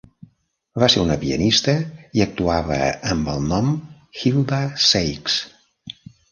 Va ser una pianista i actuava amb el nom Hilda Saxe.